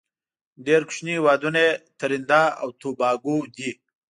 ډیر کوچینی هیوادونه یې تريندا او توباګو دی.